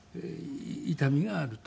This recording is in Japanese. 痛みがあると。